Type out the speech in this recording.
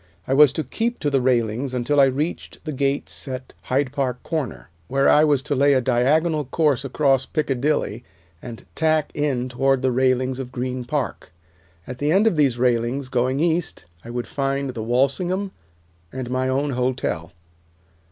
I was to keep to the railings until I reached the gates at Hyde Park Corner, where I was to lay a diagonal course across Piccadilly, and tack in toward the railings of Green Park. At the end of these railings, going east, I would find the Walsingham, and my own hotel.